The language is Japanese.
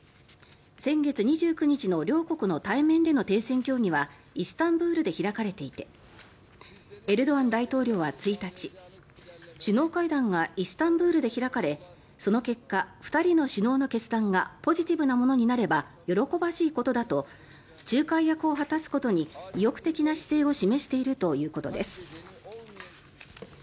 先月２９日の両国の対面での停戦協議はイスタンブールで開かれていてエルドアン大統領は１日首脳会談がイスタンブールで開かれその結果、２人の首脳の決断がポジティブなものになれば喜ばしいことだと仲介役を果たすことに意欲的な姿勢を示しているということです。